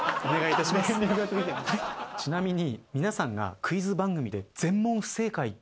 ちなみに。